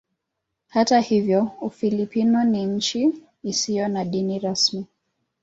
Hata hivyo Ufilipino ni nchi isiyo na dini rasmi.